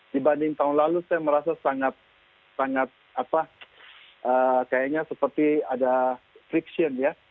dibanding tahun lalu saya merasa sangat apa kayaknya seperti ada friction ya